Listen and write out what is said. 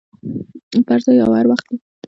په هر ځای او هر وخت کې.